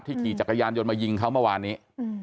ขี่จักรยานยนต์มายิงเขาเมื่อวานนี้